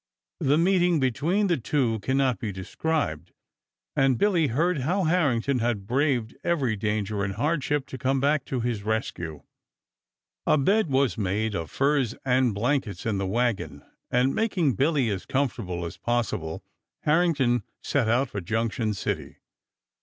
The meeting between the two can not be described, and Billy heard how Harrington had braved every danger and hardship to come back to his rescue. A bed was made of furs and blankets in the wagon and making Billy as comfortable as possible Harrington set out for Junction City.